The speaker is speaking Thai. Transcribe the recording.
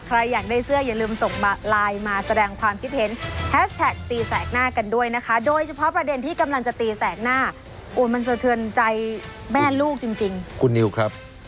โดยเฉพาะประเด็นที่กำลังจะตีแสงหน้ามันสะเทือนใจแม่ลูกจริงคุณนิวครับ